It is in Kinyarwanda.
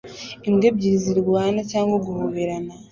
Imbwa ebyiri zirwana cyangwa guhobera